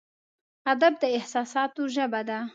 ادب د احساساتو ژبه ده.